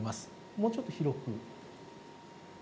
もうちょっと広く。